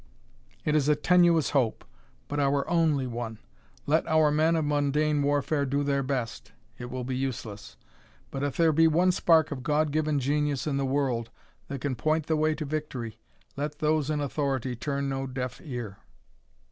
"It is a tenuous hope, but our only one. Let our men of mundane warfare do their best it will be useless. But if there be one spark of God given genius in the world that can point the way to victory, let those in authority turn no deaf ear.